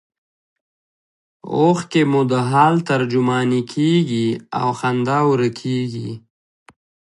اوښکې مو د حال ترجمانې کیږي او خندا ورکیږي